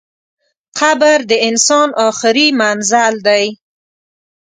قبر د انسان اخري منزل دئ.